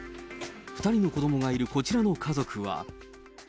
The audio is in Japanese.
２人の子どもがいるこちらの家族は。